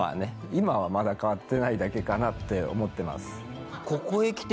今はまだ変わってないだけかなって思ってます。